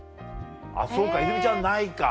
あっそうか泉ちゃんないか。